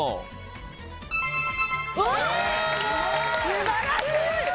素晴らしい！